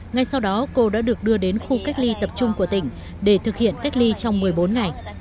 ngay sau đó cô đã được đưa đến khu cách ly tập trung của tỉnh để thực hiện cách ly trong một mươi bốn ngày